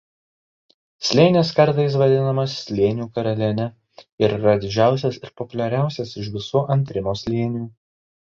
Slėnis kartais vadinamas ""Slėnių karaliene"" ir yra didžiausias ir populiariausias iš visų Antrimo slėnių.